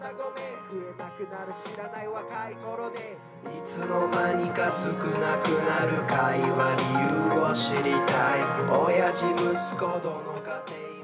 「いつの間にか少なくなる会話理由を知りたい」「親父息子どの家庭も」